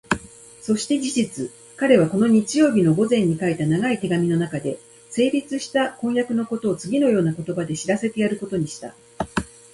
そして事実、彼はこの日曜日の午前に書いた長い手紙のなかで、成立した婚約のことをつぎのような言葉で知らせてやることにした。